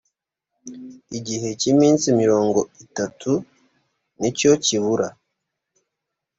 igihe cy’ iminsi mirongo itatu nicyokibura.